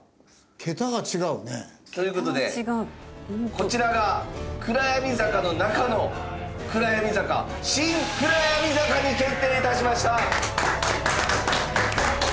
桁が違うね。という事でこちらが暗闇坂の中の暗闇坂シン・クラヤミ坂に決定致しました！